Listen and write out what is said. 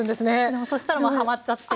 でもそしたらもうはまっちゃって。